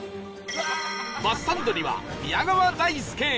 バスサンドには宮川大輔